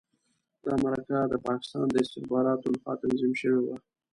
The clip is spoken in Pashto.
دا مرکه د پاکستان د استخباراتو لخوا تنظیم شوې وه.